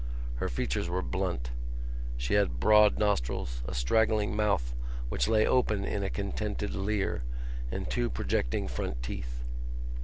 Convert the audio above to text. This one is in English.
Her features were blunt. She had broad nostrils, a straggling mouth which lay open in a contented leer, and two projecting front teeth.